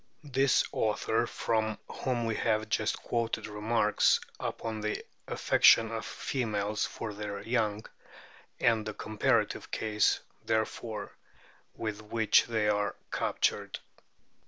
This author from whom we have just quoted remarks upon the affection of the females for their young, and the comparative ease, therefore, with which they are RIGHT WHALES 141 captured.